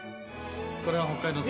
これは北海道産。